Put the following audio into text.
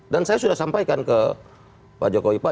dan saya sudah sampaikan ke pak joko ipa